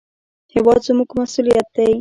هېواد زموږ مسوولیت دی